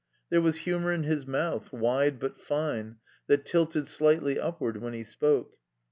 There was himior in his mouth, wide but fine, that tilted slightly upward when he spoke.